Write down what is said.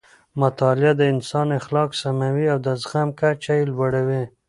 مطالعه د انسان اخلاق سموي او د زغم کچه یې لوړوي.